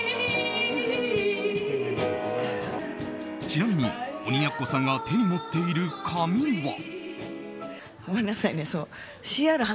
ちなみに鬼奴さんが手に持っている紙は。